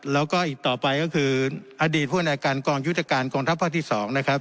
แล้วก็อีกต่อไปก็คืออดีตผู้ในการกองยุทธการกองทัพภาคที่๒นะครับ